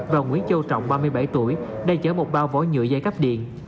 và nguyễn châu trọng ba mươi bảy tuổi đang chở một bao vỏ nhựa dây cắp điện